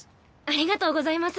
ありがとうございます。